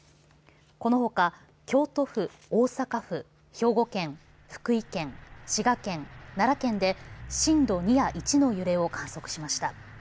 このほか京都府、大阪府、兵庫県、福井県、滋賀県奈良県で震度２や１の揺れを観測しました。